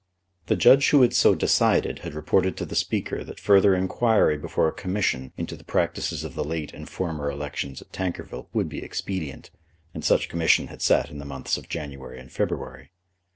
The judge who had so decided had reported to the Speaker that further inquiry before a commission into the practices of the late and former elections at Tankerville would be expedient, and such commission had sat in the months of January and February.